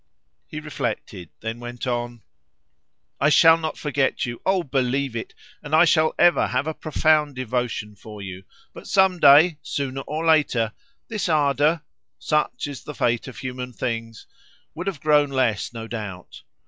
He reflected, then went on "I shall not forget you, oh believe it; and I shall ever have a profound devotion for you; but some day, sooner or later, this ardour (such is the fate of human things) would have grown less, no doubt.